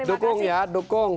dukung ya dukung